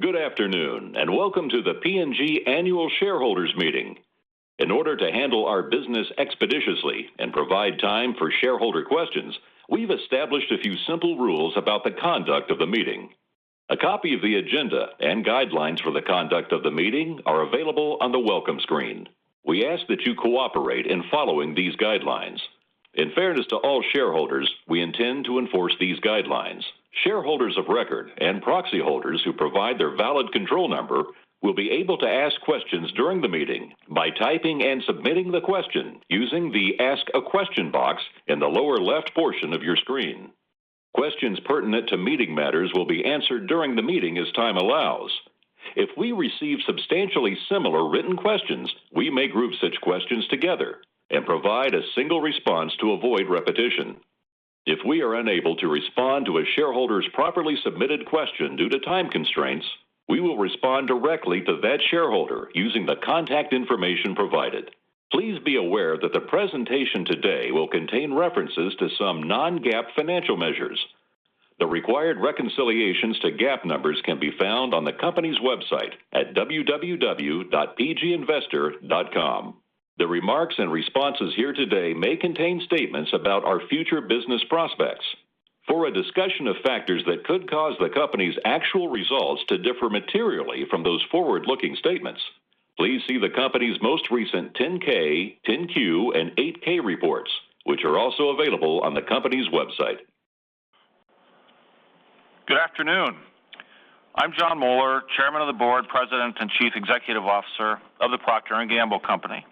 Good afternoon, and welcome to the P&G Annual Shareholders Meeting. In order to handle our business expeditiously and provide time for shareholder questions, we've established a few simple rules about the conduct of the meeting. A copy of the agenda and guidelines for the conduct of the meeting are available on the welcome screen. We ask that you cooperate in following these guidelines. In fairness to all shareholders, we intend to enforce these guidelines. Shareholders of record and proxy holders who provide their valid control number will be able to ask questions during the meeting by typing and submitting the question using the Ask a Question box in the lower left portion of your screen. Questions pertinent to meeting matters will be answered during the meeting as time allows. If we receive substantially similar written questions, we may group such questions together and provide a single response to avoid repetition. If we are unable to respond to a shareholder's properly submitted question due to time constraints, we will respond directly to that shareholder using the contact information provided. Please be aware that the presentation today will contain references to some non-GAAP financial measures. The required reconciliations to GAAP numbers can be found on the company's website at www.pginvestor.com. The remarks and responses here today may contain statements about our future business prospects. For a discussion of factors that could cause the company's actual results to differ materially from those forward-looking statements, please see the company's most recent 10-K, 10-Q, and 8-K reports, which are also available on the company's website. Good afternoon. I'm Jon Moeller, Chairman of the Board, President, and Chief Executive Officer of the Procter & Gamble Company.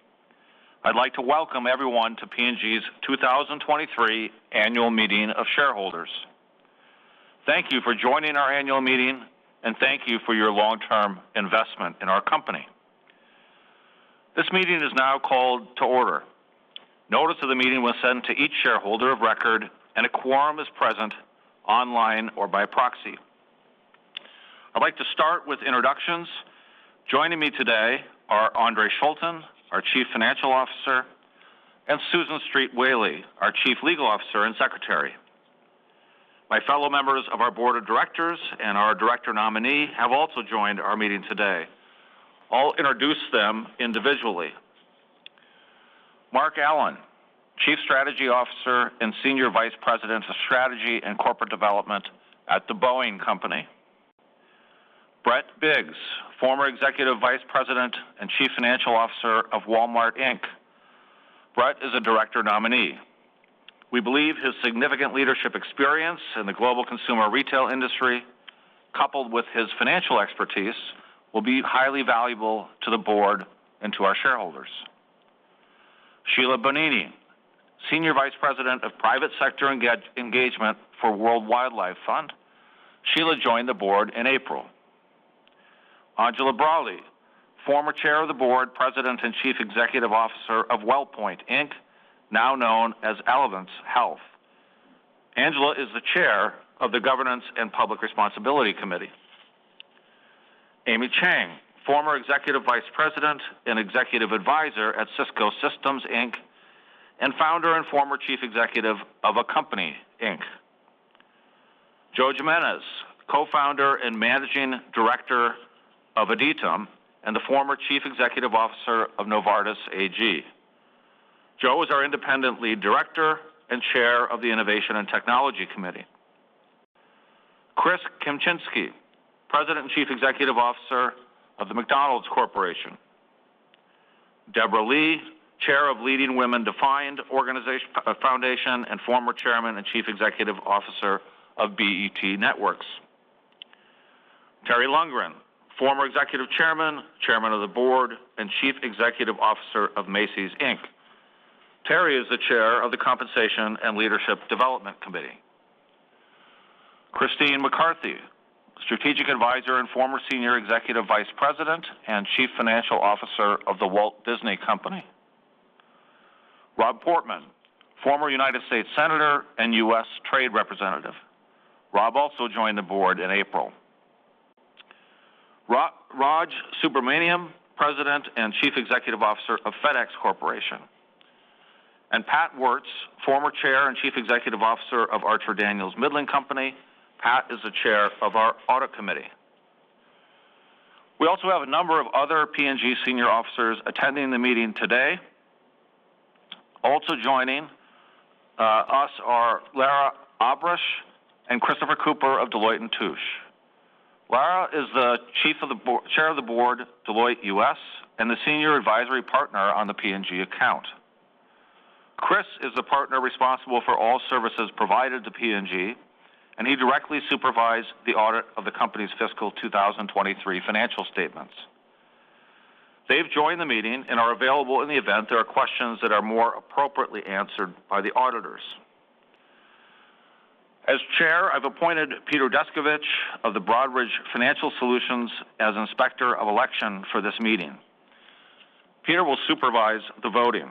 I'd like to welcome everyone to P&G's 2023 Annual Meeting of Shareholders. Thank you for joining our annual meeting, and thank you for your long-term investment in our company. This meeting is now called to order. Notice of the meeting was sent to each shareholder of record, and a quorum is present, online or by proxy. I'd like to start with introductions. Joining me today are Andre Schulten, our Chief Financial Officer, and Susan Street Whaley, our Chief Legal Officer and Secretary. My fellow members of our Board of Directors and our director nominee have also joined our meeting today. I'll introduce them individually. Marc Allen, Chief Strategy Officer and Senior Vice President of Strategy and Corporate Development at The Boeing Company. Brett Biggs, former Executive Vice President and Chief Financial Officer of Walmart Inc, Brett is a director nominee. We believe his significant leadership experience in the global consumer retail industry, coupled with his financial expertise, will be highly valuable to the board and to our shareholders. Sheila Bonini, Senior Vice President of Private Sector Engagement for World Wildlife Fund. Sheila joined the board in April. Angela Braly, former Chair of the Board, President, and Chief Executive Officer of WellPoint, Inc, now known as Elevance Health. Angela is the Chair of the Governance and Public Responsibility Committee. Amy Chang, former Executive Vice President and Executive Advisor at Cisco Systems, Inc, and Founder and former Chief Executive of Accompany, Inc, Joe Jimenez, Co-Founder and Managing Director of Aditum, and the former Chief Executive Officer of Novartis AG. Joe is our independent lead director and Chair of the Innovation and Technology Committee. Chris Kempczinski, President and Chief Executive Officer of the McDonald's Corporation. Debra Lee, Chair of Leading Women Defined Foundation, and former Chairman and Chief Executive Officer of BET Networks. Terry Lundgren, former Executive Chairman, Chairman of the Board, and Chief Executive Officer of Macy's, Inc, Terry is the Chair of the Compensation and Leadership Development Committee. Christine McCarthy, Strategic Advisor and former Senior Executive Vice President and Chief Financial Officer of The Walt Disney Company. Rob Portman, former United States Senator and U.S. Trade Representative. Rob also joined the board in April. Raj Subramaniam, President and Chief Executive Officer of FedEx Corporation, and Pat Woertz, former Chair and Chief Executive Officer of Archer-Daniels-Midland Company. Pat is the Chair of our Audit Committee. We also have a number of other P&G senior officers attending the meeting today. Also joining us are Lara Abrash and Christopher Cooper of Deloitte & Touche. Lara is the Chair of the Board, Deloitte U.S., and the Senior Advisory Partner on the P&G account. Chris is the partner responsible for all services provided to P&G, and he directly supervises the audit of the company's fiscal 2023 financial statements. They've joined the meeting and are available in the event there are questions that are more appropriately answered by the auditors. As Chair, I've appointed Peter Descovich of Broadridge Financial Solutions as Inspector of Election for this meeting. Peter will supervise the voting.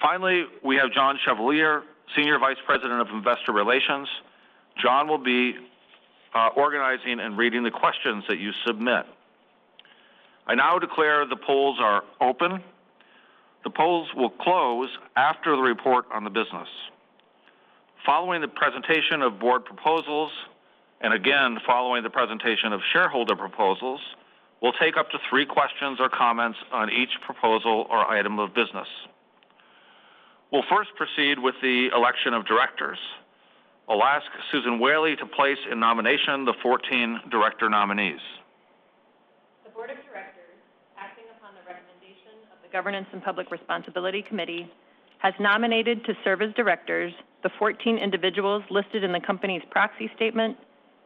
Finally, we have John Chevalier, Senior Vice President of Investor Relations. John will be organizing and reading the questions that you submit. I now declare the polls are open. The polls will close after the report on the business. Following the presentation of board proposals, and again, following the presentation of shareholder proposals, we'll take up to three questions or comments on each proposal or item of business. We'll first proceed with the election of directors. I'll ask Susan Whaley to place in nomination the 14 director nominees. The Board of Directors, acting upon the recommendation of the Governance and Public Responsibility Committee, has nominated to serve as directors the 14 individuals listed in the company's proxy statement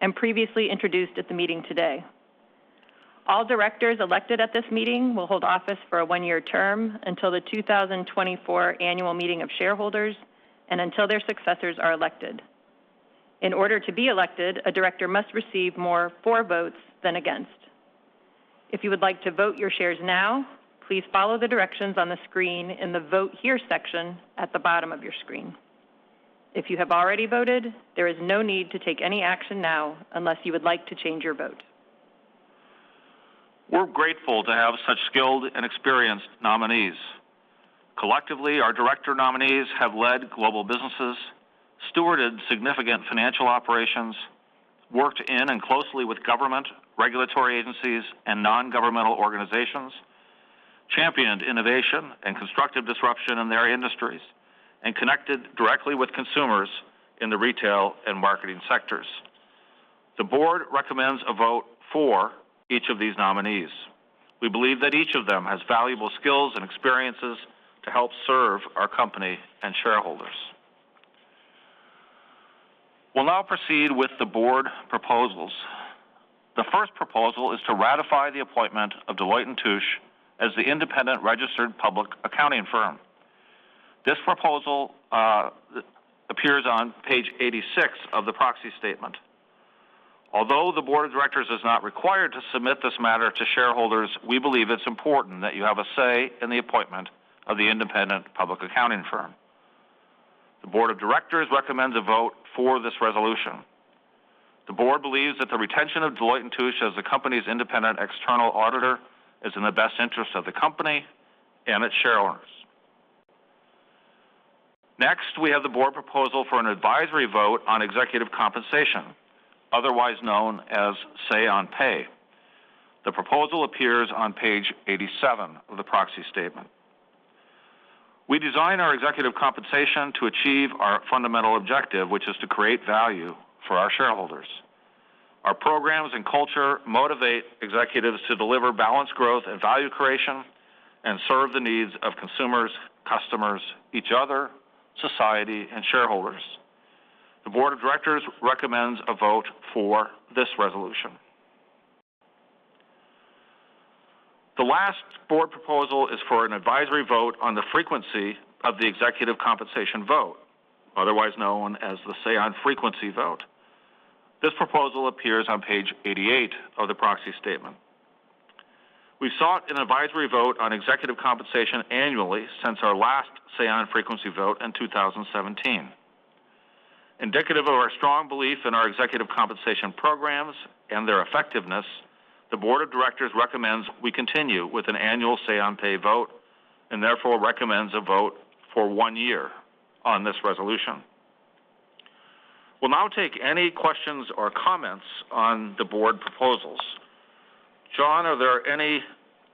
and previously introduced at the meeting today. All directors elected at this meeting will hold office for a one-year term until the 2024 annual meeting of shareholders and until their successors are elected. In order to be elected, a director must receive more votes for than against. If you would like to vote your shares now, please follow the directions on the screen in the Vote Here section at the bottom of your screen. If you have already voted, there is no need to take any action now unless you would like to change your vote. We're grateful to have such skilled and experienced nominees. Collectively, our director nominees have led global businesses, stewarded significant financial operations, worked in and closely with government, regulatory agencies, and non-governmental organizations, championed innovation and constructive disruption in their industries, and connected directly with consumers in the retail and marketing sectors. The board recommends a vote for each of these nominees. We believe that each of them has valuable skills and experiences to help serve our company and shareholders. We'll now proceed with the board proposals. The first proposal is to ratify the appointment of Deloitte & Touche as the independent registered public accounting firm. This proposal appears on page 86 of the proxy statement. Although the Board of Directors is not required to submit this matter to shareholders, we believe it's important that you have a say in the appointment of the independent public accounting firm. The Board of Directors recommends a vote for this resolution. The board believes that the retention of Deloitte & Touche as the company's independent external auditor is in the best interest of the company and its shareholders. Next, we have the board proposal for an advisory vote on executive compensation, otherwise known as Say on Pay. The proposal appears on page 87 of the proxy statement. We design our executive compensation to achieve our fundamental objective, which is to create value for our shareholders. Our programs and culture motivate executives to deliver balanced growth and value creation and serve the needs of consumers, customers, each other, society, and shareholders. The Board of Directors recommends a vote for this resolution. The last board proposal is for an advisory vote on the frequency of the executive compensation vote, otherwise known as the Say on Frequency vote. This proposal appears on page 88 of the proxy statement. We sought an advisory vote on executive compensation annually since our last Say on Frequency vote in 2017. Indicative of our strong belief in our executive compensation programs and their effectiveness, the Board of Directors recommends we continue with an annual Say on Pay vote and therefore recommends a vote for one year on this resolution. We'll now take any questions or comments on the board proposals. John, are there any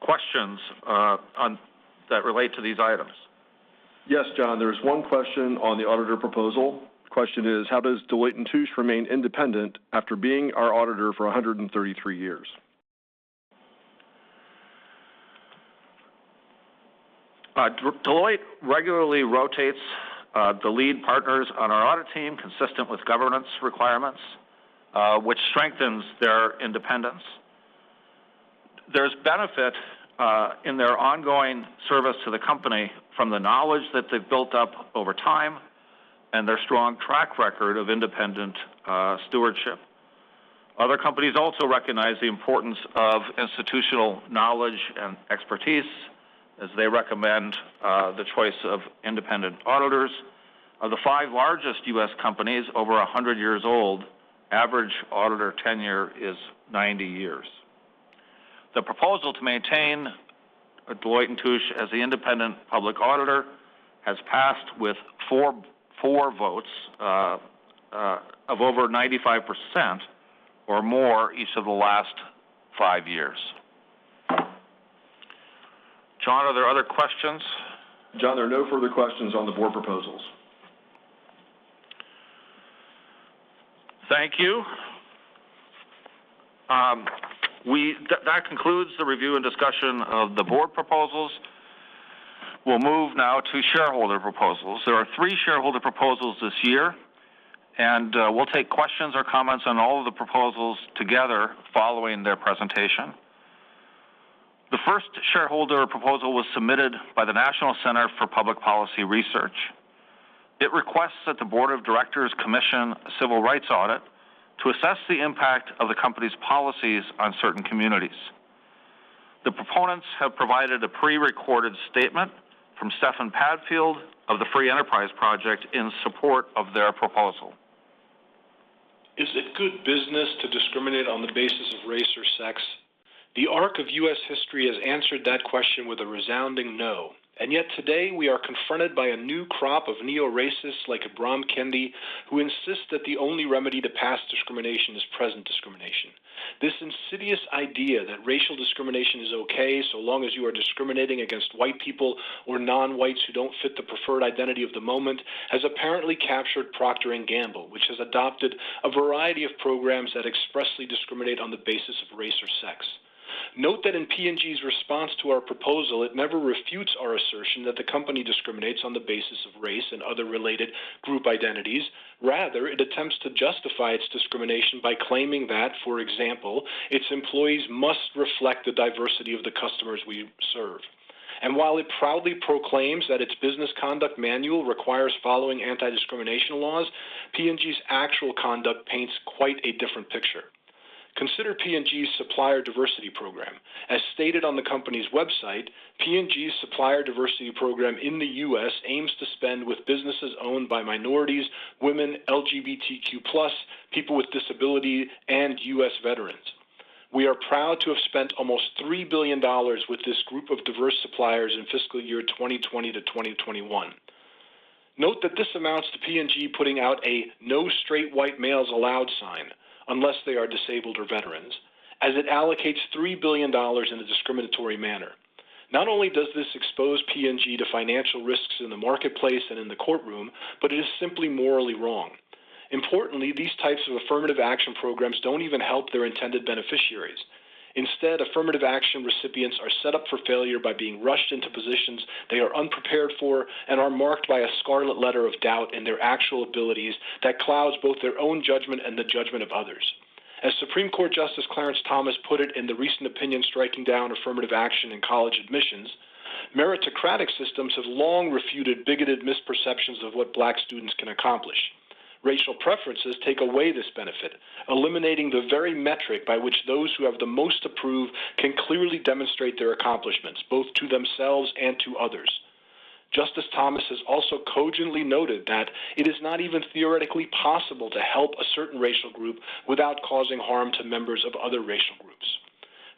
questions, on, that relate to these items? Yes, John, there is one question on the auditor proposal. The question is: How does Deloitte & Touche remain independent after being our auditor for 133 years? Deloitte regularly rotates the lead partners on our audit team, consistent with governance requirements, which strengthens their independence. There's benefit in their ongoing service to the company from the knowledge that they've built up over time and their strong track record of independent stewardship. Other companies also recognize the importance of institutional knowledge and expertise as they recommend the choice of independent auditors. Of the five largest U.S. companies, over a hundred years old, average auditor tenure is 90 years. The proposal to maintain Deloitte & Touche as the independent public auditor has passed with four, four votes of over 95% or more each of the last five years. John, are there other questions? John, there are no further questions on the board proposals. Thank you. That concludes the review and discussion of the board proposals. We'll move now to shareholder proposals. There are three shareholder proposals this year, and we'll take questions or comments on all of the proposals together following their presentation. The first shareholder proposal was submitted by The National Center for Public Policy Research. It requests that the Board of Directors commission a civil rights audit to assess the impact of the company's policies on certain communities. The proponents have provided a prerecorded statement from Stefan Padfield of the Free Enterprise Project in support of their proposal.... Is it good business to discriminate on the basis of race or sex? The arc of U.S. history has answered that question with a resounding no. And yet today, we are confronted by a new crop of neo-racists like Ibram Kendi, who insist that the only remedy to past discrimination is present discrimination. This insidious idea that racial discrimination is okay, so long as you are discriminating against white people or non-whites who don't fit the preferred identity of the moment, has apparently captured Procter & Gamble, which has adopted a variety of programs that expressly discriminate on the basis of race or sex. Note that in P&G's response to our proposal, it never refutes our assertion that the company discriminates on the basis of race and other related group identities. Rather, it attempts to justify its discrimination by claiming that, for example, its employees must reflect the diversity of the customers we serve. While it proudly proclaims that its Business Conduct Manual requires following anti-discrimination laws, P&G's actual conduct paints quite a different picture. Consider P&G's Supplier Diversity Program. As stated on the company's website, P&G's Supplier Diversity Program in the U.S. aims to spend with businesses owned by minorities, women, LGBTQ+, people with disability, and U.S. veterans. We are proud to have spent almost $3 billion with this group of diverse suppliers in fiscal year 2020-2021. Note that this amounts to P&G putting out a no straight white males allowed sign, unless they are disabled or veterans, as it allocates $3 billion in a discriminatory manner. Not only does this expose P&G to financial risks in the marketplace and in the courtroom, but it is simply morally wrong. Importantly, these types of affirmative action programs don't even help their intended beneficiaries. Instead, affirmative action recipients are set up for failure by being rushed into positions they are unprepared for and are marked by a scarlet letter of doubt in their actual abilities that clouds both their own judgment and the judgment of others. As Supreme Court Justice Clarence Thomas put it in the recent opinion, striking down affirmative action in college admissions, "Meritocratic systems have long refuted bigoted misperceptions of what Black students can accomplish. Racial preferences take away this benefit, eliminating the very metric by which those who have the most approved can clearly demonstrate their accomplishments, both to themselves and to others." Justice Thomas has also cogently noted that it is not even theoretically possible to help a certain racial group without causing harm to members of other racial groups.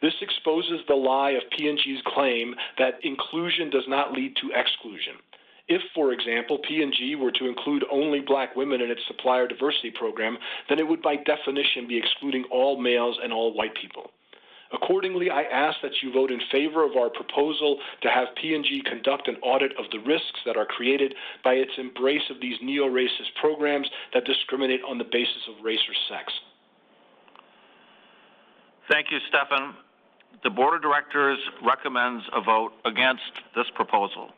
This exposes the lie of P&G's claim that inclusion does not lead to exclusion. If, for example, P&G were to include only Black women in its supplier diversity program, then it would by definition be excluding all males and all white people. Accordingly, I ask that you vote in favor of our proposal to have P&G conduct an audit of the risks that are created by its embrace of these neo-racist programs that discriminate on the basis of race or sex. Thank you, Stefan. The Board of Directors recommends a vote against this proposal.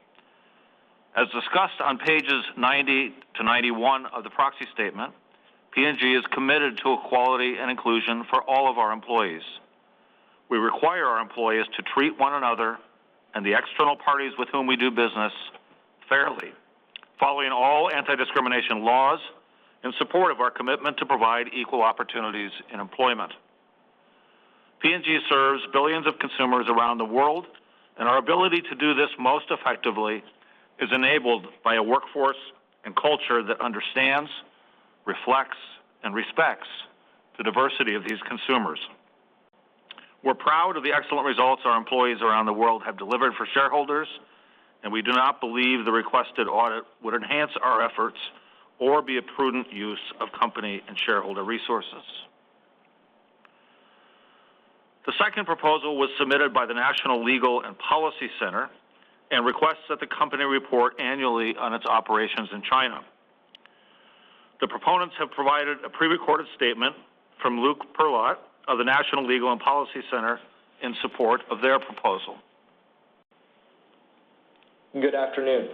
As discussed on pages 90-91 of the proxy statement, P&G is committed to equality and inclusion for all of our employees. We require our employees to treat one another, and the external parties with whom we do business, fairly, following all anti-discrimination laws in support of our commitment to provide equal opportunities in employment. P&G serves billions of consumers around the world, and our ability to do this most effectively is enabled by a workforce and culture that understands, reflects, and respects the diversity of these consumers. We're proud of the excellent results our employees around the world have delivered for shareholders, and we do not believe the requested audit would enhance our efforts or be a prudent use of company and shareholder resources. The second proposal was submitted by the National Legal and Policy Center and requests that the company report annually on its operations in China. The proponents have provided a pre-recorded statement from Luke Perlot of the National Legal and Policy Center in support of their proposal. Good afternoon.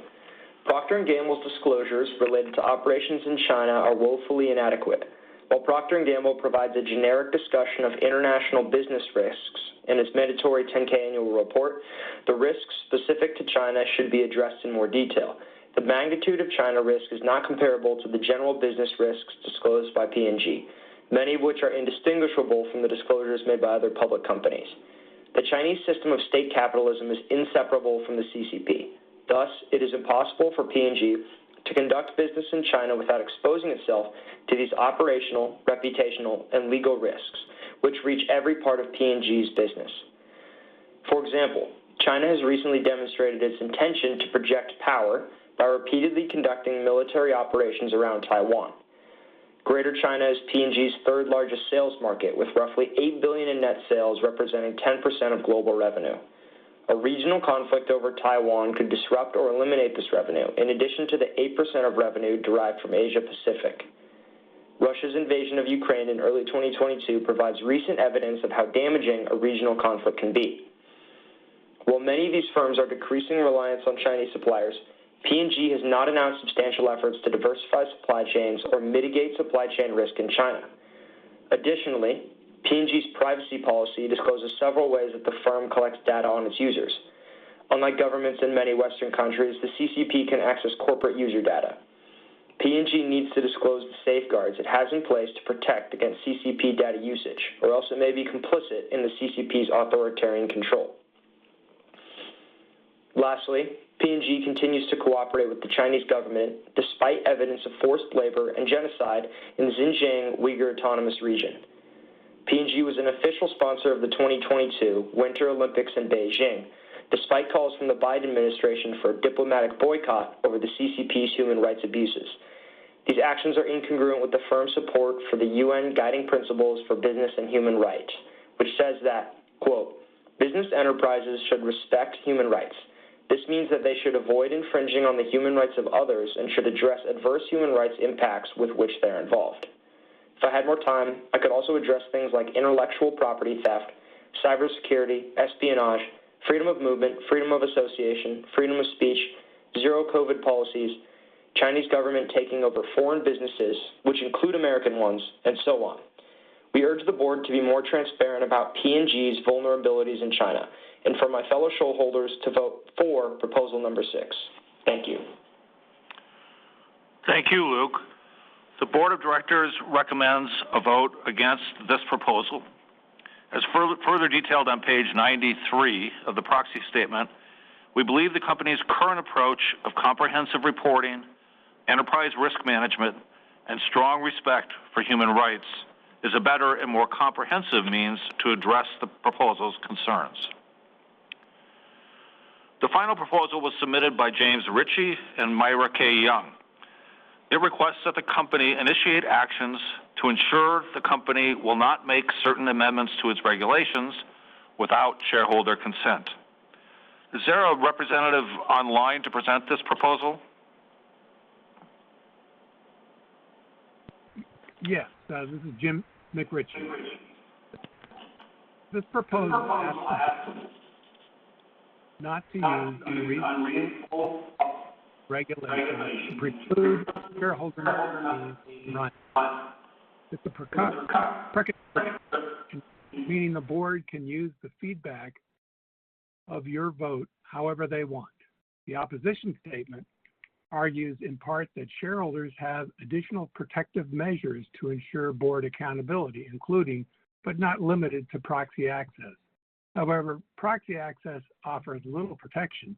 Procter & Gamble's disclosures related to operations in China are woefully inadequate. While Procter & Gamble provides a generic discussion of international business risks in its mandatory 10-K annual report, the risks specific to China should be addressed in more detail. The magnitude of China risk is not comparable to the general business risks disclosed by P&G, many of which are indistinguishable from the disclosures made by other public companies. The Chinese system of state capitalism is inseparable from the CCP. Thus, it is impossible for P&G to conduct business in China without exposing itself to these operational, reputational, and legal risks, which reach every part of P&G's business. For example, China has recently demonstrated its intention to project power by repeatedly conducting military operations around Taiwan. Greater China is P&G's third largest sales market, with roughly $8 billion in net sales, representing 10% of global revenue. A regional conflict over Taiwan could disrupt or eliminate this revenue, in addition to the 8% of revenue derived from Asia Pacific. Russia's invasion of Ukraine in early 2022 provides recent evidence of how damaging a regional conflict can be. While many of these firms are decreasing reliance on Chinese suppliers, P&G has not announced substantial efforts to diversify supply chains or mitigate supply chain risk in China. Additionally, P&G's privacy policy discloses several ways that the firm collects data on its users. Unlike governments in many Western countries, the CCP can access corporate user data. P&G needs to disclose the safeguards it has in place to protect against CCP data usage, or else it may be complicit in the CCP's authoritarian control.... Lastly, P&G continues to cooperate with the Chinese government despite evidence of forced labor and genocide in the Xinjiang Uyghur Autonomous Region. P&G was an official sponsor of the 2022 Winter Olympics in Beijing, despite calls from the Biden administration for a diplomatic boycott over the CCP's human rights abuses. These actions are incongruent with the firm's support for the UN Guiding Principles for Business and Human Rights, which says that, quote, "Business enterprises should respect human rights. This means that they should avoid infringing on the human rights of others and should address adverse human rights impacts with which they're involved." If I had more time, I could also address things like intellectual property theft, cybersecurity, espionage, freedom of movement, freedom of association, freedom of speech, Zero COVID policies, Chinese government taking over foreign businesses, which include American ones, and so on. We urge the board to be more transparent about P&G's vulnerabilities in China, and for my fellow shareholders to vote for proposal number six. Thank you. Thank you, Luke. The Board of Directors recommends a vote against this proposal. As further detailed on page 93 of the proxy statement, we believe the company's current approach of comprehensive reporting, enterprise risk management, and strong respect for human rights is a better and more comprehensive means to address the proposal's concerns. The final proposal was submitted by James McRitchie and Myra K. Young. It requests that the company initiate actions to ensure the company will not make certain amendments to its regulations without shareholder consent. Is there a representative online to present this proposal? Yes, this is James McRitchie. This proposal asks not to use unreasonable regulation to preclude shareholder—It's a precatory, meaning the board can use the feedback of your vote however they want. The opposition statement argues in part that shareholders have additional protective measures to ensure board accountability, including but not limited to proxy access. However, proxy access offers little protection.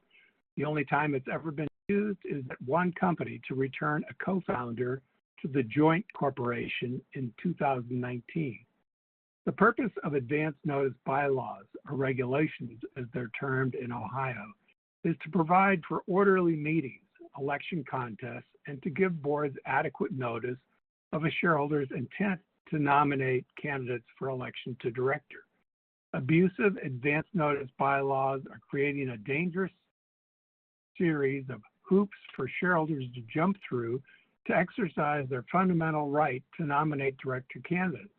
The only time it's ever been used is at one company to return a Co-Founder to the joint corporation in 2019. The purpose of advance notice bylaws or regulations, as they're termed in Ohio, is to provide for orderly meetings, election contests, and to give boards adequate notice of a shareholder's intent to nominate candidates for election to director. Abusive advance notice bylaws are creating a dangerous series of hoops for shareholders to jump through to exercise their fundamental right to nominate director candidates.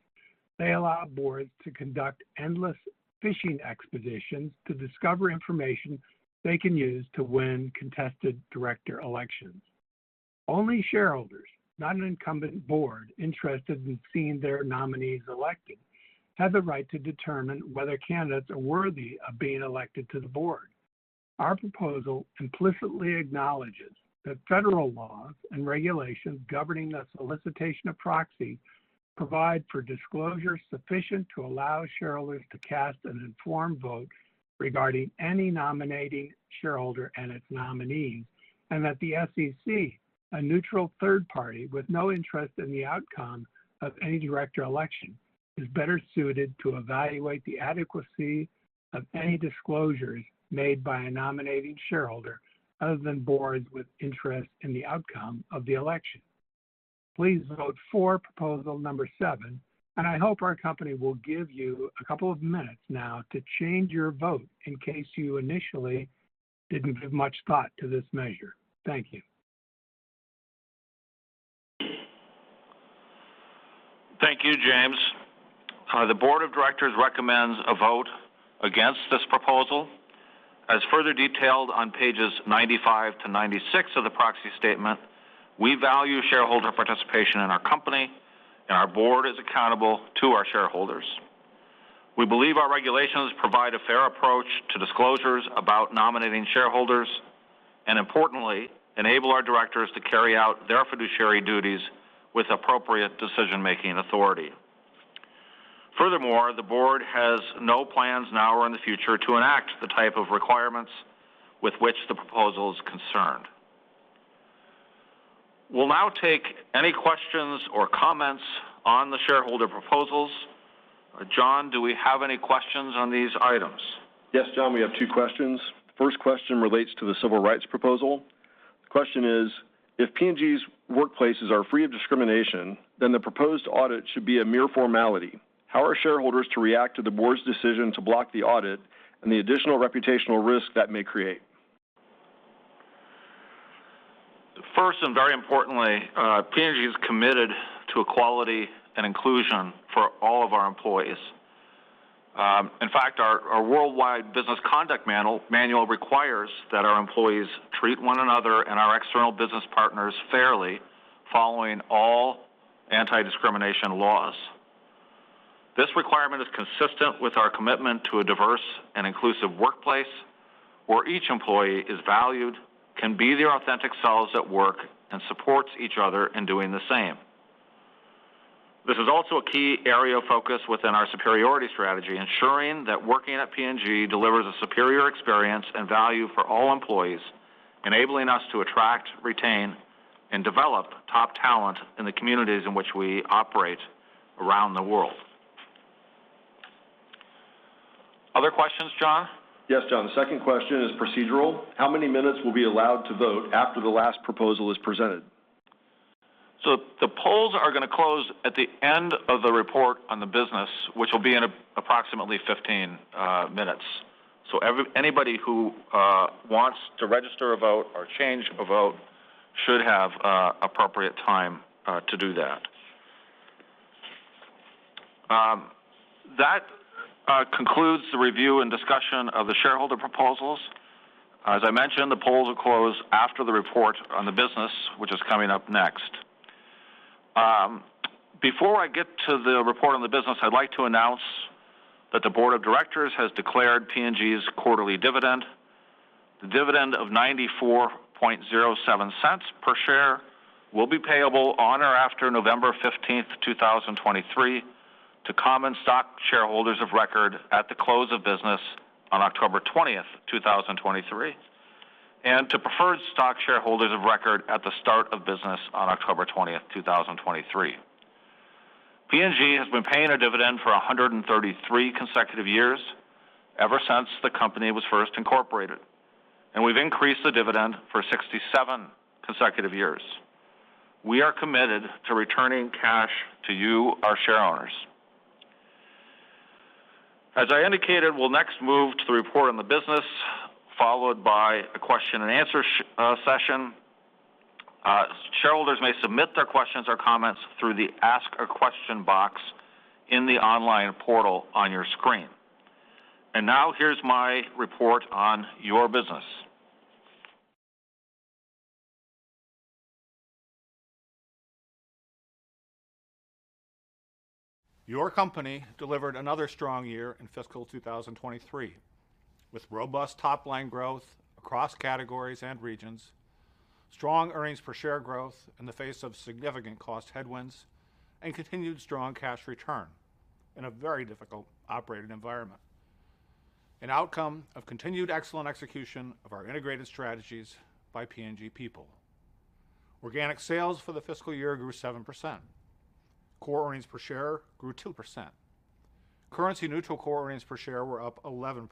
They allow boards to conduct endless fishing expeditions to discover information they can use to win contested director elections. Only shareholders, not an incumbent board interested in seeing their nominees elected, have the right to determine whether candidates are worthy of being elected to the board. Our proposal implicitly acknowledges that federal laws and regulations governing the solicitation of proxy provide for disclosure sufficient to allow shareholders to cast an informed vote regarding any nominating shareholder and its nominees, and that the SEC, a neutral third party with no interest in the outcome of any director election, is better suited to evaluate the adequacy of any disclosures made by a nominating shareholder other than boards with interest in the outcome of the election. Please vote for proposal number seven, and I hope our company will give you a couple of minutes now to change your vote in case you initially didn't give much thought to this measure. Thank you. Thank you, James. The Board of Directors recommends a vote against this proposal. As further detailed on pages 95-96 of the proxy statement, we value shareholder participation in our company, and our board is accountable to our shareholders. We believe our regulations provide a fair approach to disclosures about nominating shareholders, and importantly, enable our directors to carry out their fiduciary duties with appropriate decision-making authority. Furthermore, the board has no plans now or in the future to enact the type of requirements with which the proposal is concerned. We'll now take any questions or comments on the shareholder proposals. John, do we have any questions on these items? Yes, John, we have two questions. First question relates to the civil rights proposal. The question is: If P&G's workplaces are free of discrimination, then the proposed audit should be a mere formality. How are shareholders to react to the board's decision to block the audit and the additional reputational risk that may create? First, and very importantly, P&G is committed to equality and inclusion for all of our employees. In fact, our worldwide business conduct manual requires that our employees treat one another and our external business partners fairly, following all anti-discrimination laws. This requirement is consistent with our commitment to a diverse and inclusive workplace where each employee is valued, can be their authentic selves at work, and supports each other in doing the same. ...This is also a key area of focus within our superiority strategy, ensuring that working at P&G delivers a superior experience and value for all employees, enabling us to attract, retain, and develop top talent in the communities in which we operate around the world. Other questions, John? Yes, John. The second question is procedural. How many minutes will be allowed to vote after the last proposal is presented? So the polls are going to close at the end of the report on the business, which will be in approximately 15 minutes. So everybody who wants to register a vote or change a vote should have appropriate time to do that. That concludes the review and discussion of the shareholder proposals. As I mentioned, the polls will close after the report on the business, which is coming up next. Before I get to the report on the business, I'd like to announce that the Board of Directors has declared P&G's quarterly dividend. The dividend of $0.9407 per share will be payable on or after November 15, 2023, to common stock shareholders of record at the close of business on October 20, 2023, and to preferred stock shareholders of record at the start of business on October 20, 2023. P&G has been paying a dividend for 133 consecutive years, ever since the company was first incorporated, and we've increased the dividend for 67 consecutive years. We are committed to returning cash to you, our shareowners. As I indicated, we'll next move to the report on the business, followed by a question and answer session. Shareholders may submit their questions or comments through the Ask a Question box in the online portal on your screen. Now, here's my report on your business. Your company delivered another strong year in fiscal 2023, with robust top-line growth across categories and regions, strong earnings per share growth in the face of significant cost headwinds, and continued strong cash return in a very difficult operating environment, an outcome of continued excellent execution of our integrated strategies by P&G people. Organic sales for the fiscal year grew 7%. Core earnings per share grew 2%. Currency-neutral core earnings per share were up 11%.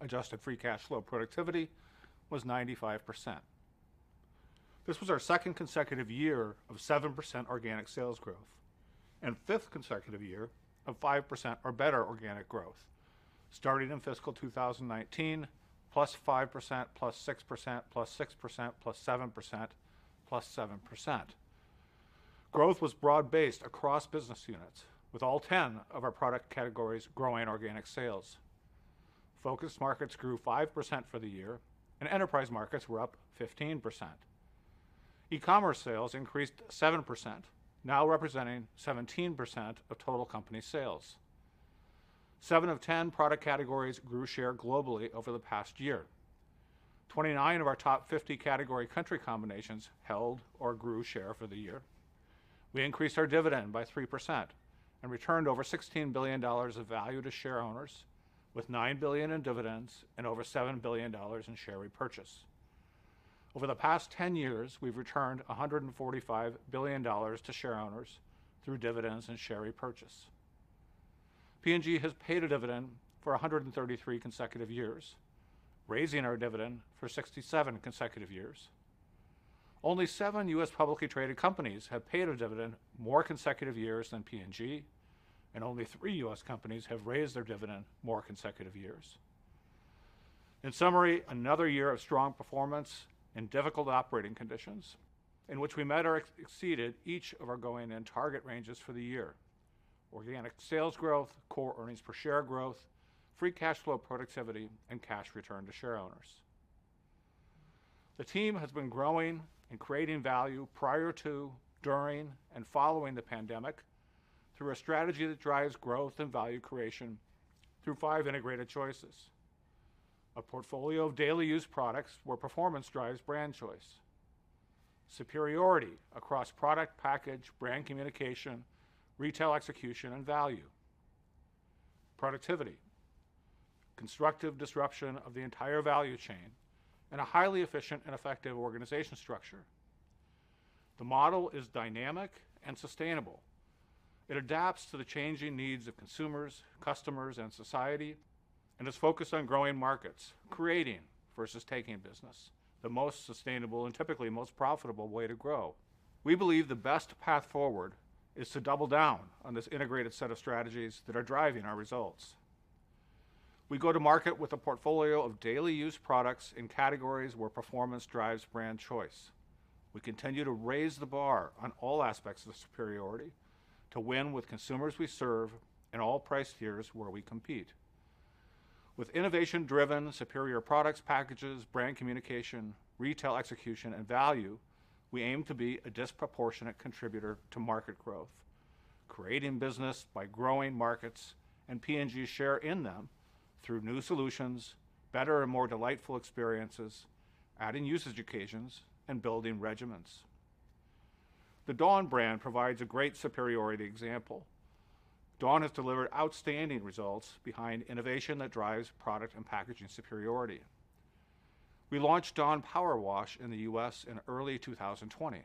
Adjusted free cash flow productivity was 95%. This was our second consecutive year of 7% organic sales growth and fifth consecutive year of 5% or better organic growth, starting in fiscal 2019, +5%, +6%, +6%, +7%, +7%. Growth was broad-based across business units, with all 10 of our product categories growing organic sales. Focus markets grew 5% for the year, and enterprise markets were up 15%. E-commerce sales increased 7%, now representing 17% of total company sales. 7 of 10 product categories grew share globally over the past year. 29 of our top 50 category country combinations held or grew share for the year. We increased our dividend by 3% and returned over $16 billion of value to shareowners, with $9 billion in dividends and over $7 billion in share repurchase. Over the past 10 years, we've returned $145 billion to shareowners through dividends and share repurchase. P&G has paid a dividend for 133 consecutive years, raising our dividend for 67 consecutive years. Only seven U.S. publicly traded companies have paid a dividend more consecutive years than P&G, and only three U.S. companies have raised their dividend more consecutive years. In summary, another year of strong performance and difficult operating conditions in which we met or exceeded each of our going-in target ranges for the year: organic sales growth, core earnings per share growth, free cash flow productivity, and cash return to shareowners. The team has been growing and creating value prior to, during, and following the pandemic through a strategy that drives growth and value creation through five integrated choices. A portfolio of daily use products where performance drives brand choice; superiority across product, package, brand communication, retail execution, and value; productivity, constructive disruption of the entire value chain, and a highly efficient and effective organization structure. The model is dynamic and sustainable. It adapts to the changing needs of consumers, customers, and society, and is focused on growing markets, creating versus taking business, the most sustainable and typically most profitable way to grow. We believe the best path forward is to double down on this integrated set of strategies that are driving our results. We go to market with a portfolio of daily use products in categories where performance drives brand choice. We continue to raise the bar on all aspects of superiority to win with consumers we serve in all price tiers where we compete. With innovation-driven, superior products, packages, brand communication, retail execution, and value, we aim to be a disproportionate contributor to market growth... creating business by growing markets and P&G's share in them through new solutions, better and more delightful experiences, adding usage occasions, and building regimens. The Dawn brand provides a great superiority example. Dawn has delivered outstanding results behind innovation that drives product and packaging superiority. We launched Dawn Powerwash in the U.S. in early 2020.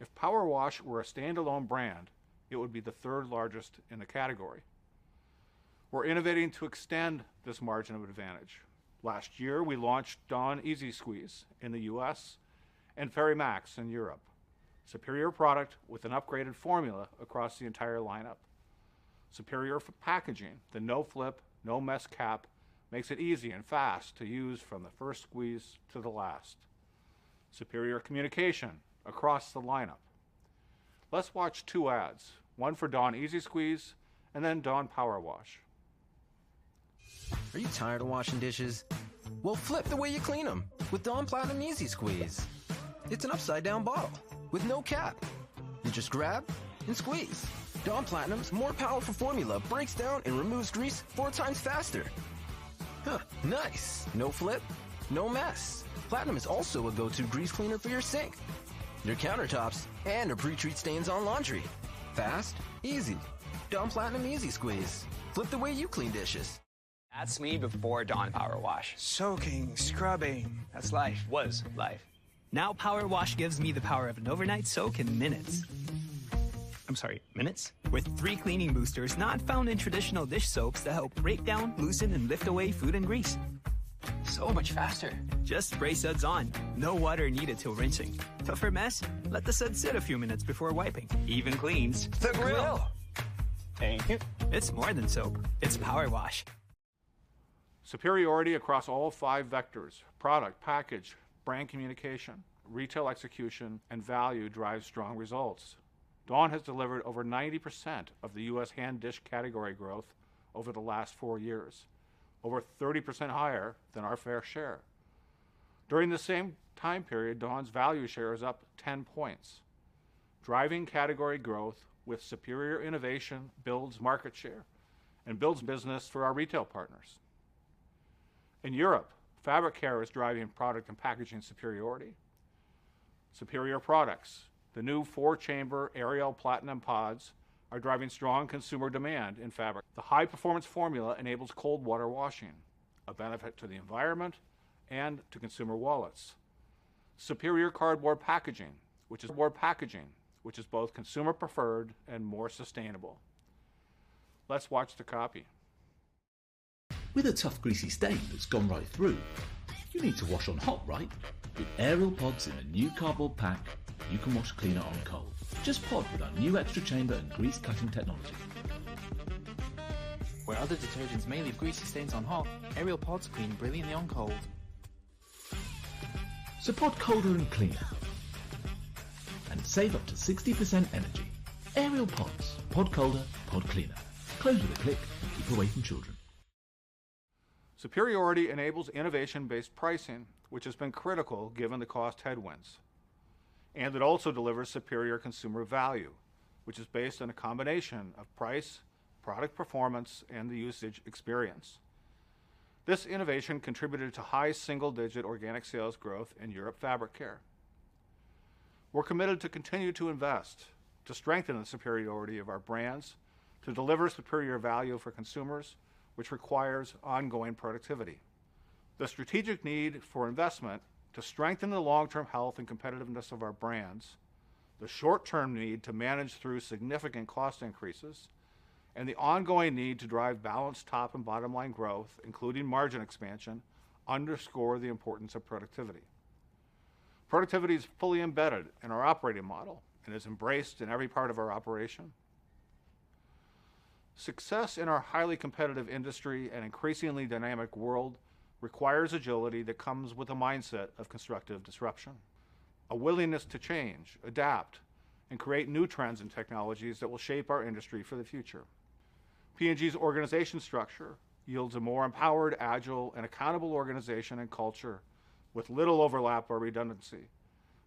If Powerwash were a standalone brand, it would be the third largest in the category. We're innovating to extend this margin of advantage. Last year, we launched Dawn EZ-Squeeze in the U.S. and Fairy Max in Europe. Superior product with an upgraded formula across the entire lineup. Superior packaging, the no-flip, no-mess cap, makes it easy and fast to use from the first squeeze to the last. Superior communication across the lineup. Let's watch two ads, one for Dawn EZ-Squeeze and then Dawn Powerwash. Are you tired of washing dishes? Well, flip the way you clean them with Dawn Platinum EZ-Squeeze. It's an upside-down bottle with no cap. You just grab and squeeze. Dawn Platinum's more powerful formula breaks down and removes grease four times faster. Huh, nice! No flip, no mess. Platinum is also a go-to grease cleaner for your sink, your countertops, and to pre-treat stains on laundry. Fast, easy. Dawn Platinum EZ-Squeeze. Flip the way you clean dishes. That's me before Dawn Powerwash. Soaking, scrubbing. That's life. Was life. Now, Powerwash gives me the power of an overnight soak in minutes. I'm sorry, minutes? With three cleaning boosters not found in traditional dish soaps that help break down, loosen, and lift away food and grease. So much faster. Just spray suds on. No water needed till rinsing. Tougher mess? Let the suds sit a few minutes before wiping. Even cleans- The grill! Thank you. It's more than soap, it's Powerwash. Superiority across all five vectors: product, package, brand communication, retail execution, and value drives strong results. Dawn has delivered over 90% of the U.S. hand dish category growth over the last four years, over 30% higher than our fair share. During the same time period, Dawn's value share is up 10 points. Driving category growth with superior innovation builds market share and builds business for our retail partners. In Europe, fabric care is driving product and packaging superiority. Superior products, the new four-chamber Ariel Platinum Pods, are driving strong consumer demand in fabric. The high-performance formula enables cold water washing, a benefit to the environment and to consumer wallets. Superior cardboard packaging, which is more packaging, which is both consumer preferred and more sustainable. Let's watch the copy. With a tough, greasy stain that's gone right through, you need to wash on hot, right? With Ariel Pods in a new cardboard pack, you can wash cleaner on cold. Just pod with our new extra chamber and grease-cutting technology. Where other detergents may leave greasy stains on hot, Ariel Pods clean brilliantly on cold. So pod colder and cleaner, and save up to 60% energy. Ariel Pods, pod colder, pod cleaner. Close with a click and keep away from children. Superiority enables innovation-based pricing, which has been critical given the cost headwinds, and it also delivers superior consumer value, which is based on a combination of price, product performance, and the usage experience. This innovation contributed to high single-digit organic sales growth in Europe Fabric Care. We're committed to continue to invest, to strengthen the superiority of our brands, to deliver superior value for consumers, which requires ongoing productivity. The strategic need for investment to strengthen the long-term health and competitiveness of our brands, the short-term need to manage through significant cost increases, and the ongoing need to drive balanced top and bottom line growth, including margin expansion, underscore the importance of productivity. Productivity is fully embedded in our operating model and is embraced in every part of our operation. Success in our highly competitive industry and increasingly dynamic world requires agility that comes with a mindset of constructive disruption, a willingness to change, adapt, and create new trends and technologies that will shape our industry for the future. P&G's organization structure yields a more empowered, agile, and accountable organization and culture with little overlap or redundancy,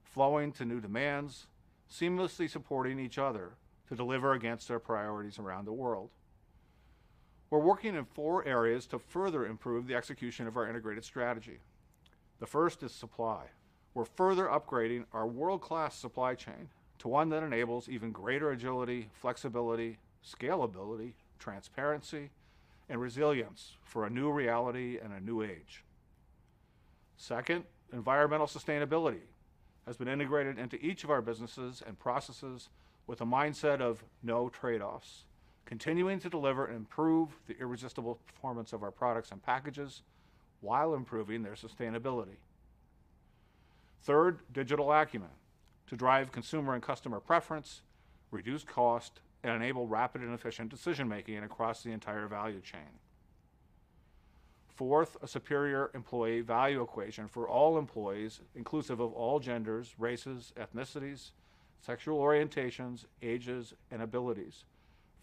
flowing to new demands, seamlessly supporting each other to deliver against our priorities around the world. We're working in four areas to further improve the execution of our integrated strategy. The first is supply. We're further upgrading our world-class supply chain to one that enables even greater agility, flexibility, scalability, transparency, and resilience for a new reality and a new age. Second, environmental sustainability has been integrated into each of our businesses and processes with a mindset of no trade-offs, continuing to deliver and improve the irresistible performance of our products and packages while improving their sustainability. Third, digital acumen to drive consumer and customer preference, reduce cost, and enable rapid and efficient decision-making across the entire value chain. Fourth, a superior employee value equation for all employees, inclusive of all genders, races, ethnicities, sexual orientations, ages, and abilities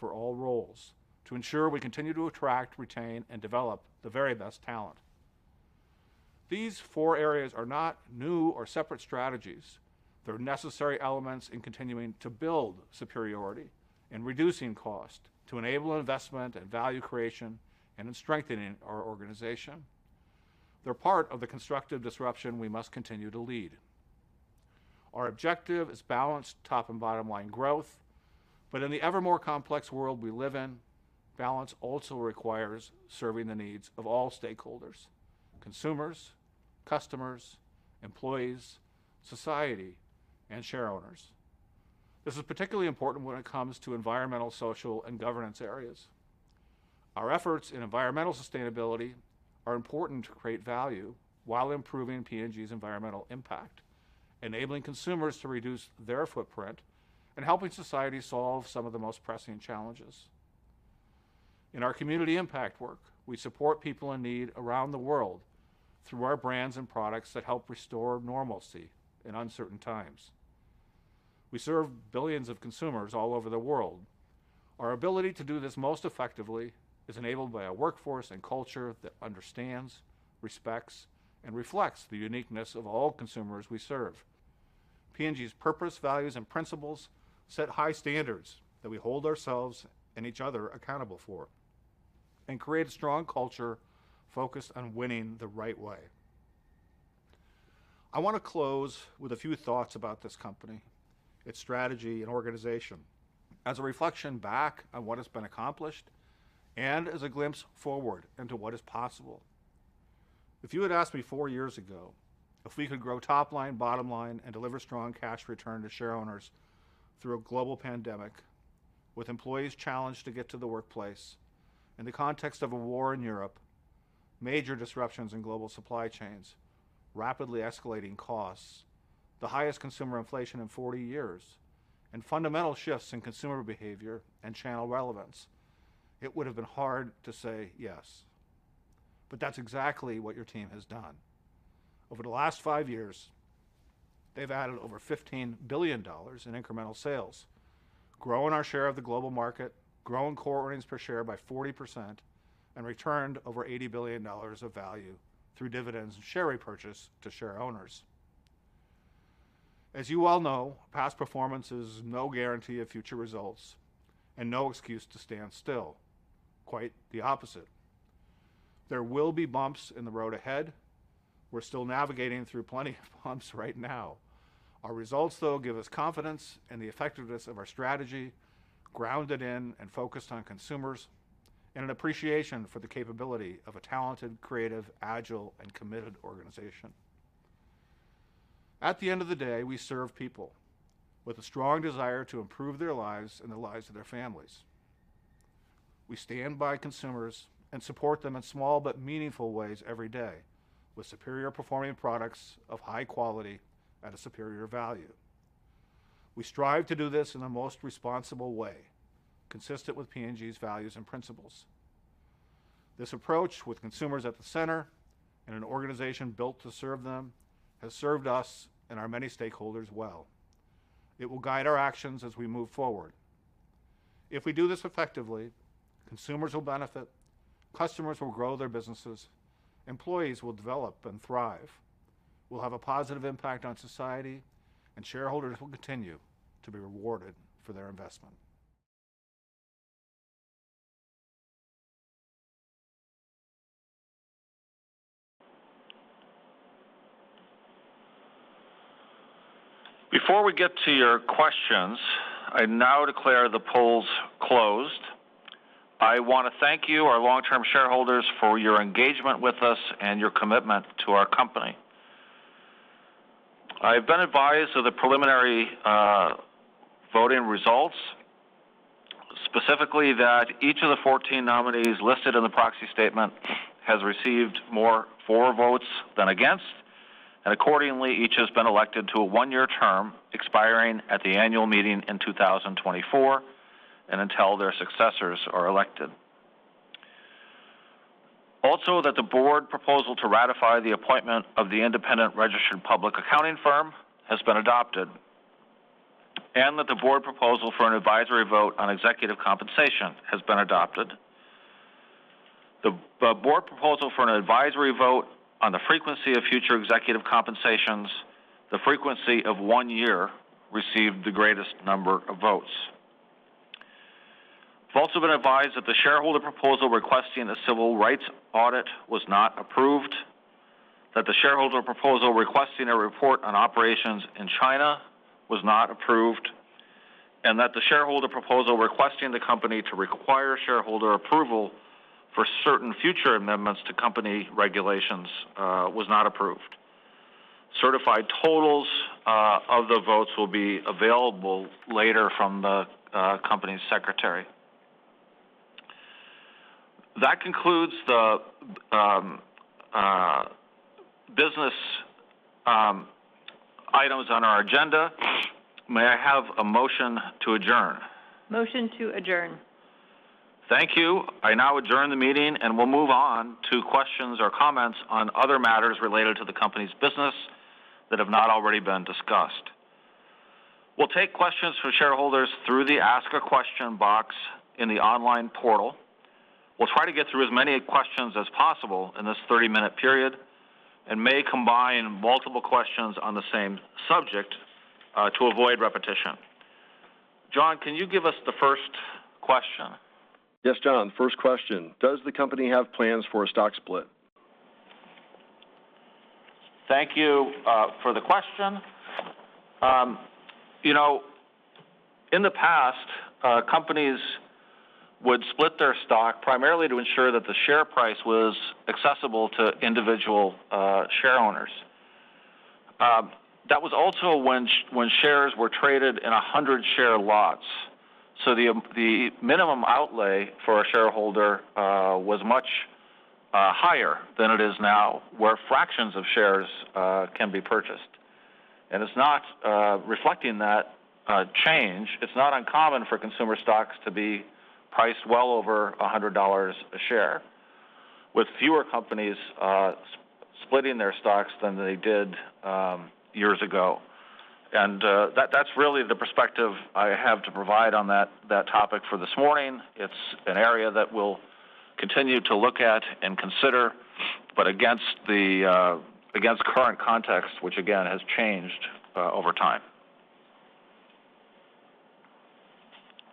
for all roles to ensure we continue to attract, retain, and develop the very best talent.... These four areas are not new or separate strategies. They're necessary elements in continuing to build superiority and reducing cost to enable investment and value creation and in strengthening our organization. They're part of the constructive disruption we must continue to lead. Our objective is balanced top and bottom line growth. But in the ever more complex world we live in, balance also requires serving the needs of all stakeholders, consumers, customers, employees, society, and shareowners. This is particularly important when it comes to environmental, social, and governance areas. Our efforts in environmental sustainability are important to create value while improving P&G's environmental impact, enabling consumers to reduce their footprint and helping society solve some of the most pressing challenges. In our community impact work, we support people in need around the world through our brands and products that help restore normalcy in uncertain times. We serve billions of consumers all over the world. Our ability to do this most effectively is enabled by a workforce and culture that understands, respects, and reflects the uniqueness of all consumers we serve. P&G's purpose, values, and principles set high standards that we hold ourselves and each other accountable for, and create a strong culture focused on winning the right way. I want to close with a few thoughts about this company, its strategy, and organization as a reflection back on what has been accomplished and as a glimpse forward into what is possible. If you had asked me four years ago if we could grow top line, bottom line, and deliver strong cash return to shareowners through a global pandemic, with employees challenged to get to the workplace in the context of a war in Europe, major disruptions in global supply chains, rapidly escalating costs, the highest consumer inflation in forty years, and fundamental shifts in consumer behavior and channel relevance, it would have been hard to say yes. But that's exactly what your team has done. Over the last five years, they've added over $15 billion in incremental sales, grown our share of the global market, grown core earnings per share by 40%, and returned over $80 billion of value through dividends and share repurchase to shareowners. As you all know, past performance is no guarantee of future results and no excuse to stand still. Quite the opposite. There will be bumps in the road ahead. We're still navigating through plenty of bumps right now. Our results, though, give us confidence in the effectiveness of our strategy, grounded in and focused on consumers, and an appreciation for the capability of a talented, creative, agile, and committed organization. At the end of the day, we serve people with a strong desire to improve their lives and the lives of their families. We stand by consumers and support them in small but meaningful ways every day, with superior performing products of high quality at a superior value. We strive to do this in the most responsible way, consistent with P&G's values and principles. This approach, with consumers at the center and an organization built to serve them, has served us and our many stakeholders well. It will guide our actions as we move forward. If we do this effectively, consumers will benefit, customers will grow their businesses, employees will develop and thrive, we'll have a positive impact on society, and shareholders will continue to be rewarded for their investment. Before we get to your questions, I now declare the polls closed. I want to thank you, our long-term shareholders, for your engagement with us and your commitment to our company. I've been advised of the preliminary voting results, specifically, that each of the 14 nominees listed in the proxy statement has received more for votes than against, and accordingly, each has been elected to a one-year term, expiring at the annual meeting in 2024, and until their successors are elected. Also, that the board proposal to ratify the appointment of the independent registered public accounting firm has been adopted, and that the board proposal for an advisory vote on executive compensation has been adopted. The board proposal for an advisory vote on the frequency of future executive compensations, the frequency of one year, received the greatest number of votes. I've also been advised that the shareholder proposal requesting a civil rights audit was not approved, that the shareholder proposal requesting a report on operations in China was not approved, and that the shareholder proposal requesting the company to require shareholder approval for certain future amendments to company regulations was not approved. Certified totals of the votes will be available later from the company's secretary. That concludes the business items on our agenda. May I have a motion to adjourn? Motion to adjourn. Thank you. I now adjourn the meeting, and we'll move on to questions or comments on other matters related to the company's business that have not already been discussed. We'll take questions from shareholders through the Ask a Question box in the online portal. We'll try to get through as many questions as possible in this 30-minute period and may combine multiple questions on the same subject to avoid repetition. John, can you give us the first question? Yes, John. First question: Does the company have plans for a stock split? Thank you for the question. You know, in the past, companies would split their stock primarily to ensure that the share price was accessible to individual share owners. That was also when shares were traded in 100-share lots. So the minimum outlay for a shareholder was much higher than it is now, where fractions of shares can be purchased. And it's not reflecting that change. It's not uncommon for consumer stocks to be priced well over $100 a share, with fewer companies splitting their stocks than they did years ago. And that, that's really the perspective I have to provide on that topic for this morning. It's an area that we'll continue to look at and consider, but against current context, which, again, has changed, over time.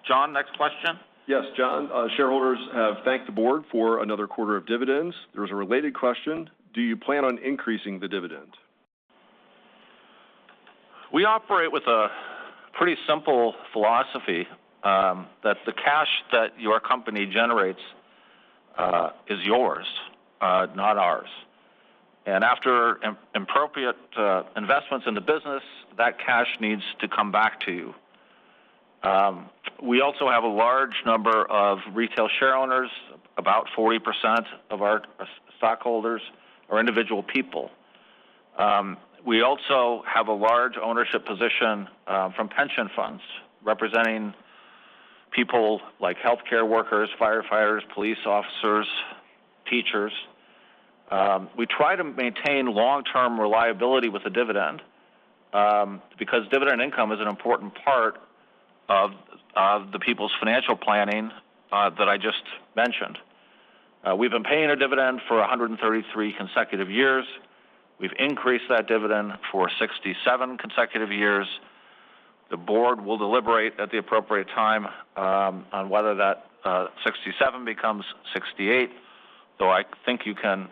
John, next question? Yes, John. Shareholders have thanked the board for another quarter of dividends. There was a related question: Do you plan on increasing the dividend? We operate with a pretty simple philosophy, that the cash that your company generates, is yours, not ours. After inappropriate investments in the business, that cash needs to come back to you. We also have a large number of retail share owners. About 40% of our stockholders are individual people. We also have a large ownership position, from pension funds, representing people like healthcare workers, firefighters, police officers, teachers. We try to maintain long-term reliability with the dividend, because dividend income is an important part of, of the people's financial planning, that I just mentioned. We've been paying a dividend for 133 consecutive years. We've increased that dividend for 67 consecutive years. The board will deliberate at the appropriate time on whether that 67 becomes 68, so I think you can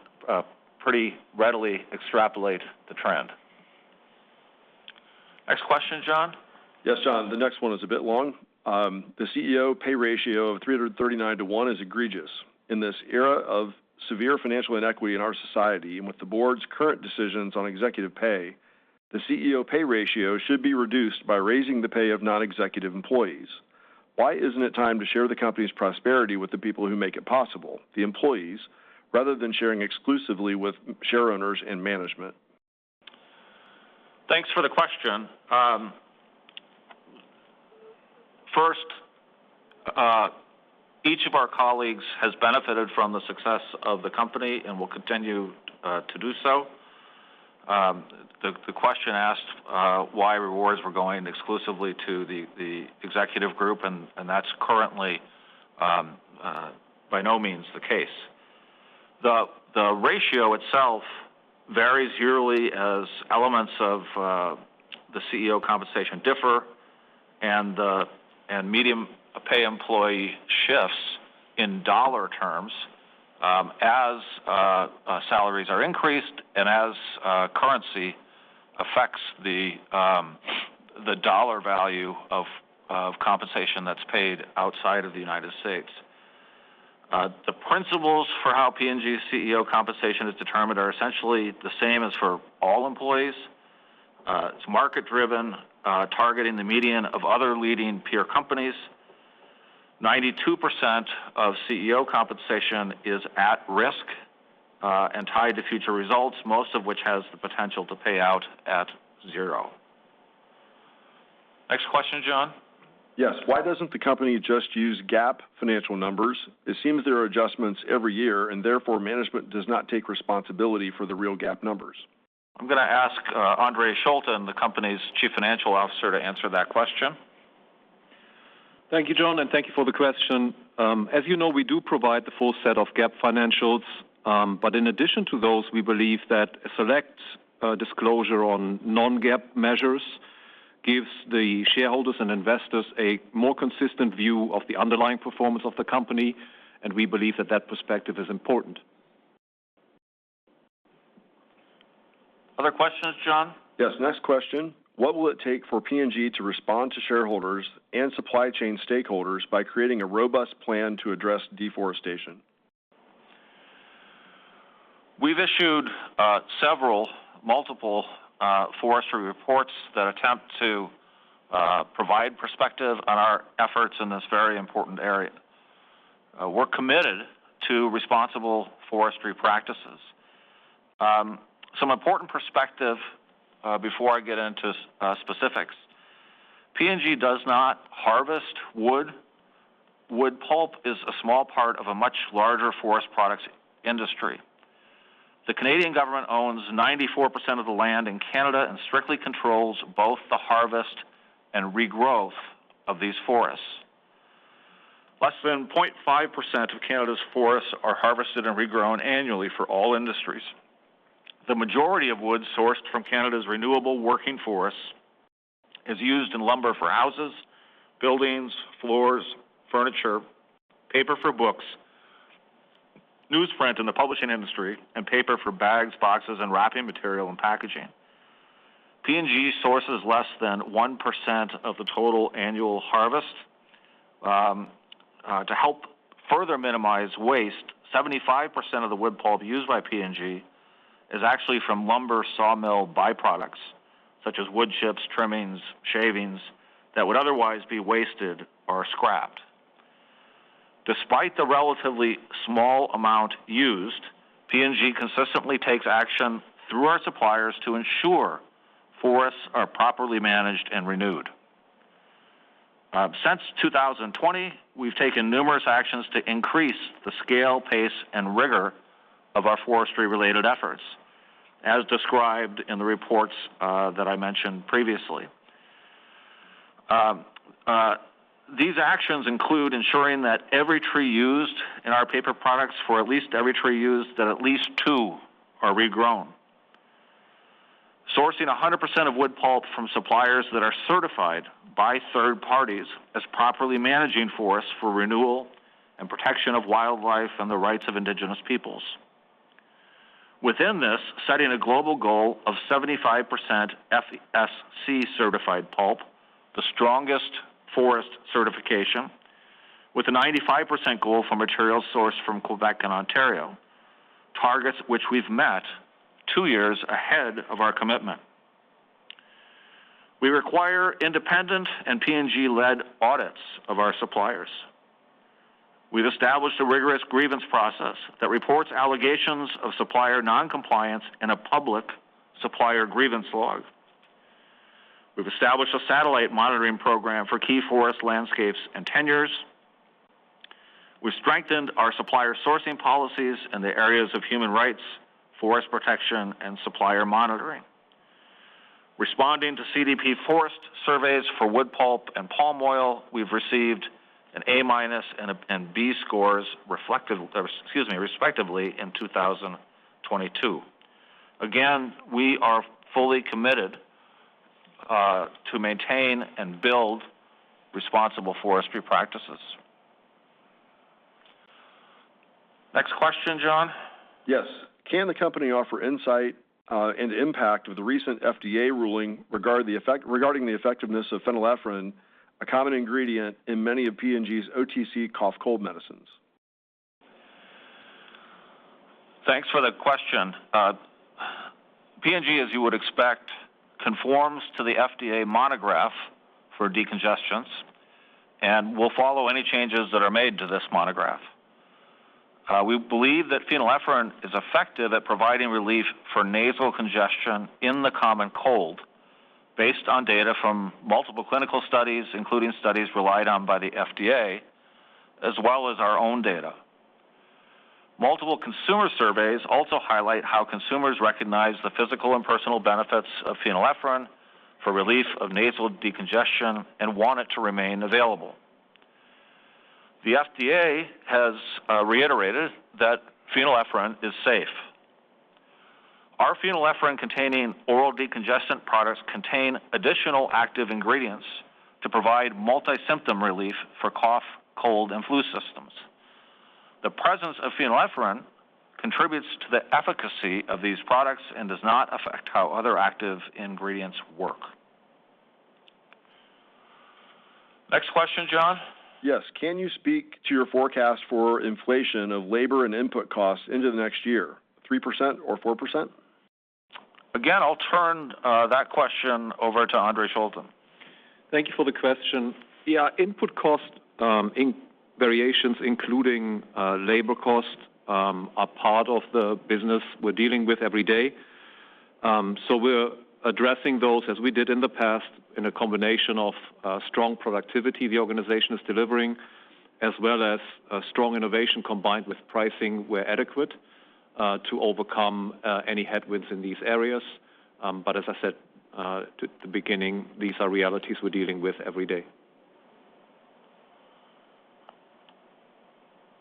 pretty readily extrapolate the trend. Next question, John? Yes, John, the next one is a bit long. The CEO pay ratio of 339 to 1 is egregious. In this era of severe financial inequity in our society, and with the board's current decisions on executive pay, the CEO pay ratio should be reduced by raising the pay of non-executive employees. Why isn't it time to share the company's prosperity with the people who make it possible, the employees, rather than sharing exclusively with share owners and management? Thanks for the question. First, each of our colleagues has benefited from the success of the company and will continue to do so. The question asked why rewards were going exclusively to the executive group, and that's currently by no means the case. The ratio itself varies yearly as elements of the CEO compensation differ and the median pay employee shifts in dollar terms, as salaries are increased and as currency affects the dollar value of compensation that's paid outside of the United States. The principles for how P&G's CEO compensation is determined are essentially the same as for all employees. It's market-driven, targeting the median of other leading peer companies. 92% of CEO compensation is at risk, and tied to future results, most of which has the potential to pay out at zero. Next question, John? Yes. Why doesn't the company just use GAAP financial numbers? It seems there are adjustments every year, and therefore, management does not take responsibility for the real GAAP numbers. I'm going to ask, Andre Schulten, the company's Chief Financial Officer, to answer that question. Thank you, John, and thank you for the question. As you know, we do provide the full set of GAAP financials, but in addition to those, we believe that a select disclosure on non-GAAP measures gives the shareholders and investors a more consistent view of the underlying performance of the company, and we believe that that perspective is important. Other questions, John? Yes, next question: What will it take for P&G to respond to shareholders and supply chain stakeholders by creating a robust plan to address deforestation? We've issued several, multiple forestry reports that attempt to provide perspective on our efforts in this very important area. We're committed to responsible forestry practices. Some important perspective before I get into specifics. P&G does not harvest wood. Wood pulp is a small part of a much larger forest products industry.... The Canadian government owns 94% of the land in Canada and strictly controls both the harvest and regrowth of these forests. Less than 0.5% of Canada's forests are harvested and regrown annually for all industries. The majority of wood sourced from Canada's renewable working forests is used in lumber for houses, buildings, floors, furniture, paper for books, newsprint in the publishing industry, and paper for bags, boxes, and wrapping material, and packaging. P&G sources less than 1% of the total annual harvest. To help further minimize waste, 75% of the wood pulp used by P&G is actually from lumber sawmill byproducts, such as wood chips, trimmings, shavings, that would otherwise be wasted or scrapped. Despite the relatively small amount used, P&G consistently takes action through our suppliers to ensure forests are properly managed and renewed. Since 2020, we've taken numerous actions to increase the scale, pace, and rigor of our forestry-related efforts, as described in the reports that I mentioned previously. These actions include ensuring that every tree used in our paper products, for at least every tree used, that at least two are regrown. Sourcing 100% of wood pulp from suppliers that are certified by third parties as properly managing forests for renewal and protection of wildlife and the rights of Indigenous peoples. Within this, setting a global goal of 75% FSC-certified pulp, the strongest forest certification, with a 95% goal for materials sourced from Quebec and Ontario, targets which we've met two years ahead of our commitment. We require independent and P&G-led audits of our suppliers. We've established a rigorous grievance process that reports allegations of supplier non-compliance in a public supplier grievance log. We've established a satellite monitoring program for key forest landscapes and tenures. We've strengthened our supplier sourcing policies in the areas of human rights, forest protection, and supplier monitoring. Responding to CDP forest surveys for wood pulp and palm oil, we've received an A- and B scores reflected, excuse me, respectively, in 2022. Again, we are fully committed to maintain and build responsible forestry practices. Next question, John? Yes. Can the company offer insight and impact of the recent FDA ruling regarding the effectiveness of phenylephrine, a common ingredient in many of P&G's OTC cough, cold medicines? Thanks for the question. P&G, as you would expect, conforms to the FDA monograph for decongestants and will follow any changes that are made to this monograph. We believe that phenylephrine is effective at providing relief for nasal congestion in the common cold based on data from multiple clinical studies, including studies relied on by the FDA, as well as our own data. Multiple consumer surveys also highlight how consumers recognize the physical and personal benefits of phenylephrine for relief of nasal decongestion and want it to remain available. The FDA has reiterated that phenylephrine is safe. Our phenylephrine-containing oral decongestant products contain additional active ingredients to provide multi-symptom relief for cough, cold, and flu symptoms. The presence of phenylephrine contributes to the efficacy of these products and does not affect how other active ingredients work. Next question, John? Yes. Can you speak to your forecast for inflation of labor and input costs into the next year, 3% or 4%? Again, I'll turn that question over to Andre Schulten. Thank you for the question. The input cost in variations, including labor costs, are part of the business we're dealing with every day. So we're addressing those as we did in the past, in a combination of strong productivity the organization is delivering, as well as strong innovation combined with pricing where adequate to overcome any headwinds in these areas. But as I said at the beginning, these are realities we're dealing with every day.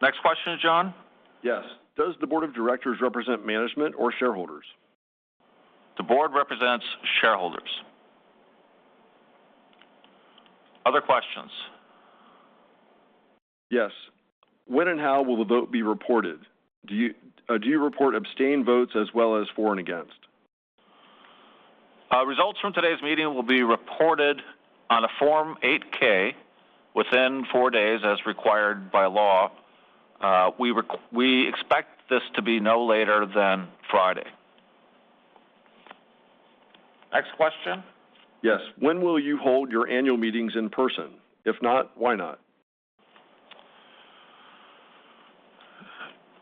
Next question, John? Yes. Does the Board of Directors represent management or shareholders? The board represents shareholders. Other questions? Yes. When and how will the vote be reported? Do you, do you report abstained votes as well as for and against? Results from today's meeting will be reported on a Form 8-K within four days, as required by law. We expect this to be no later than Friday. Next question? Yes. When will you hold your annual meetings in person? If not, why not?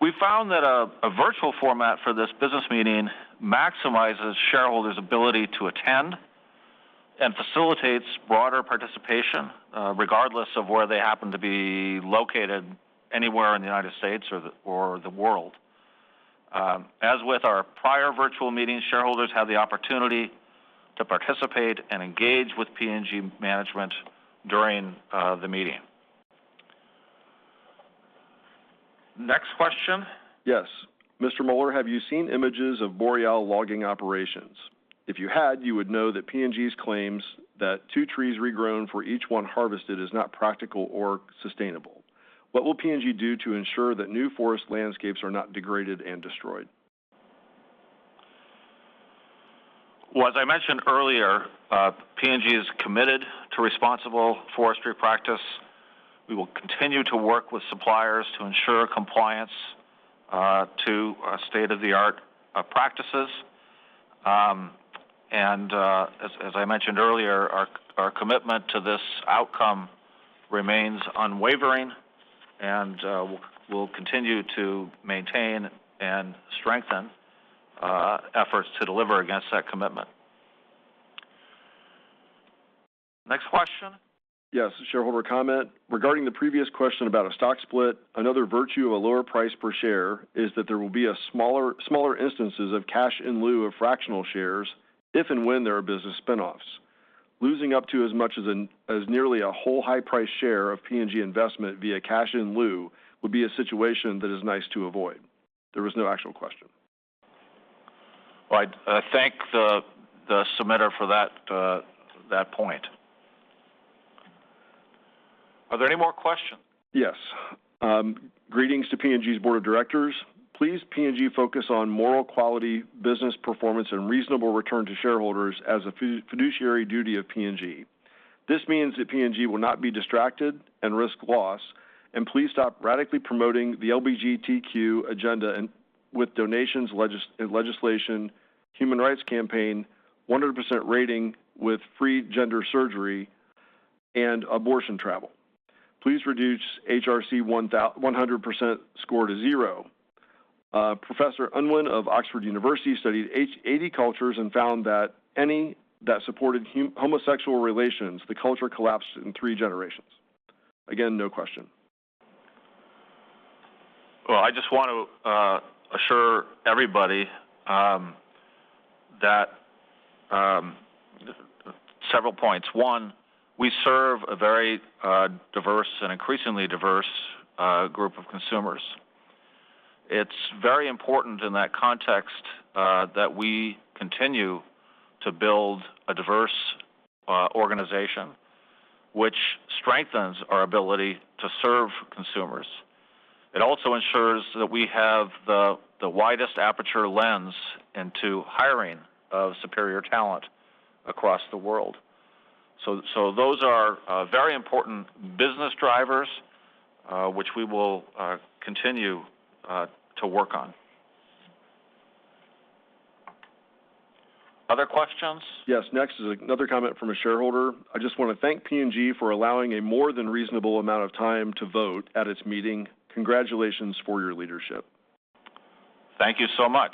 We found that a virtual format for this business meeting maximizes shareholders' ability to attend and facilitates broader participation, regardless of where they happen to be located, anywhere in the United States or the world. As with our prior virtual meetings, shareholders have the opportunity to participate and engage with P&G management during the meeting. Next question? Yes. Mr. Moeller, have you seen images of boreal logging operations? If you had, you would know that P&G's claims that two trees regrown for each one harvested is not practical or sustainable. What will P&G do to ensure that new forest landscapes are not degraded and destroyed? Well, as I mentioned earlier, P&G is committed to responsible forestry practice. We will continue to work with suppliers to ensure compliance to state-of-the-art practices. And as I mentioned earlier, our commitment to this outcome remains unwavering, and we'll continue to maintain and strengthen efforts to deliver against that commitment. Next question? Yes, shareholder comment: Regarding the previous question about a stock split, another virtue of a lower price per share is that there will be smaller instances of cash in lieu of fractional shares, if and when there are business spin-offs. Losing up to as much as nearly a whole high-price share of P&G investment via cash in lieu would be a situation that is nice to avoid. There was no actual question. Well, I thank the submitter for that point. Are there any more questions? Yes. Greetings to P&G's Board of Directors. Please, P&G, focus on moral quality, business performance, and reasonable return to shareholders as a fiduciary duty of P&G. This means that P&G will not be distracted and risk loss, and please stop radically promoting the LGBTQ agenda and with donations, legislation, Human Rights Campaign, 100% rating with free gender surgery and abortion travel. Please reduce HRC 100% score to zero. Professor Unwin of Oxford University studied 80 cultures and found that any that supported homosexual relations, the culture collapsed in three generations. Again, no question. Well, I just want to assure everybody that several points. One, we serve a very diverse and increasingly diverse group of consumers. It's very important in that context that we continue to build a diverse organization, which strengthens our ability to serve consumers. It also ensures that we have the widest aperture lens into hiring of superior talent across the world. So those are very important business drivers which we will continue to work on. Other questions? Yes. Next is another comment from a shareholder. I just want to thank P&G for allowing a more than reasonable amount of time to vote at its meeting. Congratulations for your leadership. Thank you so much.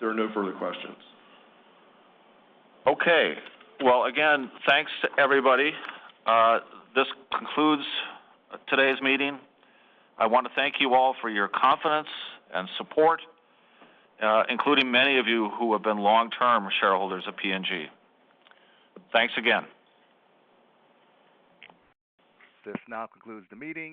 There are no further questions. Okay. Well, again, thanks to everybody. This concludes today's meeting. I want to thank you all for your confidence and support, including many of you who have been long-term shareholders of P&G. Thanks again. This now concludes the meeting.